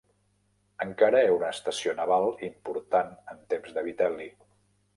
Encara era una estació naval important en temps de Vitel·li.